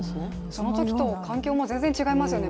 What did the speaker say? そのときと環境も全然違いますよね